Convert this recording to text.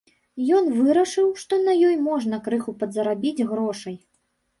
Ён вырашыў, што на ёй можна крыху падзарабіць грошай.